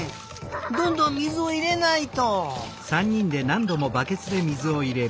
どんどん水をいれないと！